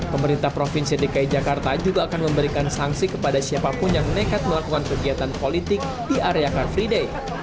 pemerintah provinsi dki jakarta juga akan memberikan sanksi kepada siapapun yang nekat melakukan kegiatan politik di area car free day